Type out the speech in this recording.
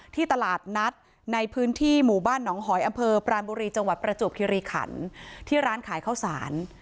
ที่ตลาดนัดในพื้นที่หมู่บ้านหนองหอยอำเภอปรานบุรีจังหวัดประจวบคิริขันที่ร้านขายข้าวสาร